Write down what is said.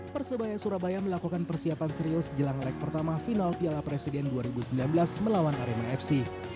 persebaya surabaya melakukan persiapan serius jelang leg pertama final piala presiden dua ribu sembilan belas melawan arema fc